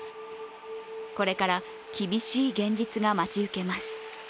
これから厳しい現実が待ち受けます。